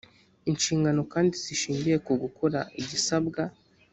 inshingano bandi zishingiye ku gukora igisabwa